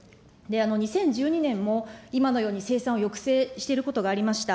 ２０１２年も今のように生産を抑制していることがありました。